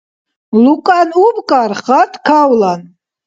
Лукӏан убкӏар, хатӏ кавлан